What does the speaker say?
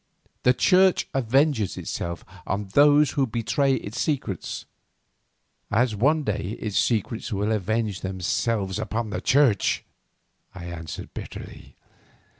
The Church avenges itself on those who betray its secrets, señor." "As one day its secrets will avenge themselves upon the Church," I answered bitterly.